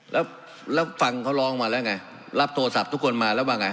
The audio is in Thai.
แล้วฟังเขาร้องมาแล้วไงรับโทรศัพท์ทุกคนมาแล้วว่าไง